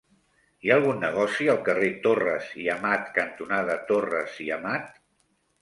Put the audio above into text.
Hi ha algun negoci al carrer Torres i Amat cantonada Torres i Amat?